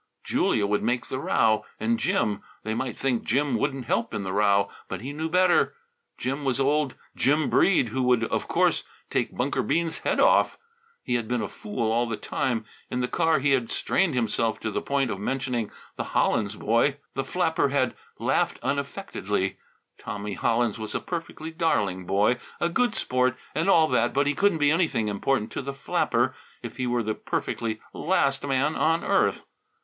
Julia would make the row. And Jim. They might think Jim wouldn't help in the row, but he knew better. Jim was old Jim Breede, who would of course take Bunker Bean's head off. He had been a fool all the time. In the car he had strained himself to the point of mentioning the Hollins boy. The flapper had laughed unaffectedly. Tommy Hollins was a perfectly darling boy, a good sport and all that, but he couldn't be anything important to the flapper if he were the perfectly last man on earth.